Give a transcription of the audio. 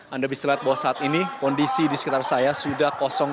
anda bisa lihat bahwa saat ini kondisi di sekitar saya sudah kosong